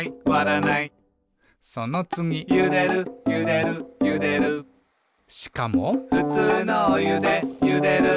そのつぎ「ゆでるゆでるゆでる」しかも「ふつうのおゆでゆでる」